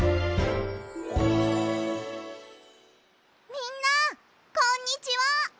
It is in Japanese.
みんなこんにちは！